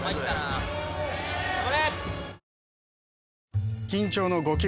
頑張れ！